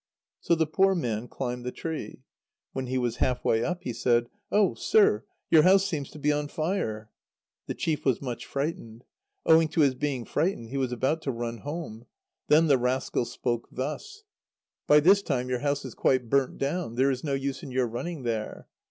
So the poor man climbed the tree. When he was half way up it, he said: "Oh! sir, your house seems to be on fire." The chief was much frightened. Owing to his being frightened, he was about to run home. Then the rascal spoke thus: "By this time your house is quite burnt down. There is no use in your running there."